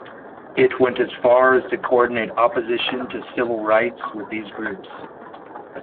It went as far as to coordinate opposition to civil rights with these groups.